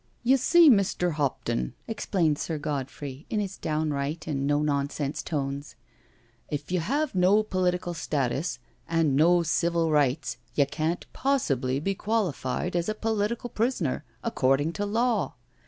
" You see, Mr. Hopton," explained Sir Godfrey in his downright and no nonsense tones, " if you have no political status and no civil rights, you can't possibly be qualified as a political prisoner, according to law.